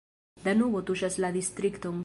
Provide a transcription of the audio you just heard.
Danubo tuŝas la distrikton.